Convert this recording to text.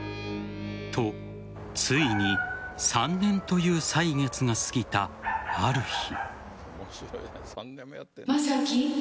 と、ついに３年という歳月が過ぎたある日。